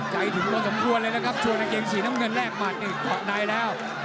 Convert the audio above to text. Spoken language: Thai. ไก่ถึงโลกสมควรเลยนะครับส่วนนักเกงสีน้ำเงินแรกมัดนี่ขอบในแล้ว